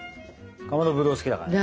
かまどぶどう好きだからね。